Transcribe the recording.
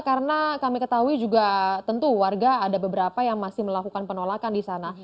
karena kami ketahui juga tentu warga ada beberapa yang masih melakukan penolakan di sana